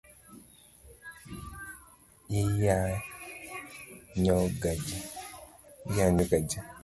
Iyanyoga ji